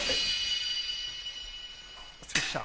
お疲れした。